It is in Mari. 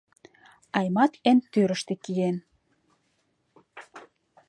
Аймат эн тӱрыштӧ киен.